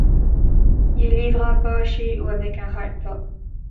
Il est livrable baché ou avec un hard-top.